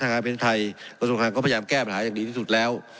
ทางการเป็นไทยส่วนสุดท้ายก็พยายามแก้ปัญหาอย่างดีที่สุดแล้ว